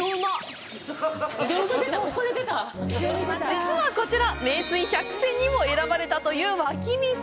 実はこちら名水百選にも選ばれたという湧き水。